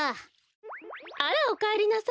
あらおかえりなさい。